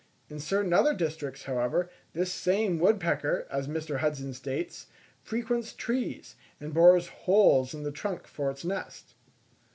In certain other districts, however, this same woodpecker, as Mr. Hudson states, frequents trees, and bores holes in the trunk for its nest.